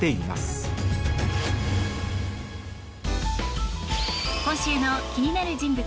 今週の気になる人物